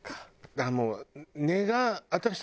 だからもう。